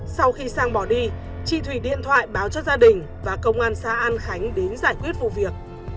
sau khi sang bỏ đi chị thủy điện thoại báo cho gia đình và công an xã an khánh đến giải quyết vụ việc